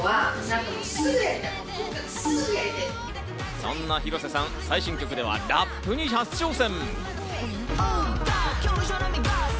そんな広瀬さん、最新曲ではラップに初挑戦。